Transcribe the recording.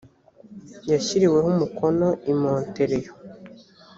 yashyiriweho umukono i montreal